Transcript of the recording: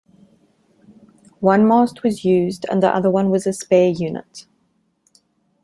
One mast was used and the other one was a spare unit.